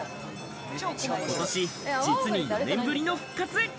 ことし、実に４年ぶりの復活。